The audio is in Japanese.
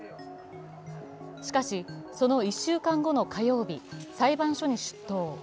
しかし、その１週間後の火曜日、裁判所に出頭。